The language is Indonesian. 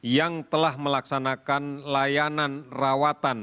yang telah melaksanakan layanan rawatan